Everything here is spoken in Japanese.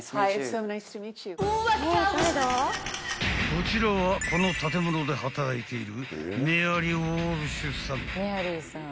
［こちらはこの建物で働いている］